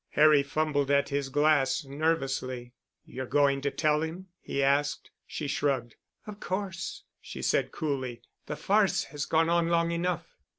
Harry fumbled at his glass nervously. "You're going to tell him?" he asked. She shrugged. "Of course," she said coolly, "the farce has gone on long enough."